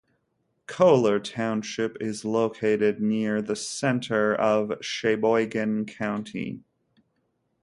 Koehler Township is located near the center of Cheboygan County.